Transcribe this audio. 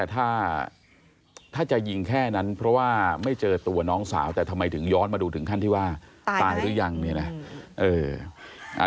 ถ้าถ้าจะยิงแค่นั้นเพราะว่าไม่เจอตัวน้องสาวแต่ทำไมถึงย้อนมาดูถึงขั้นที่ว่าตายหรือยังเนี่ยนะ